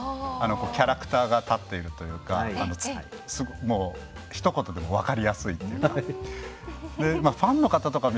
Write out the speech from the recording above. キャラクターが立っているというかひと言で分かりやすいというか。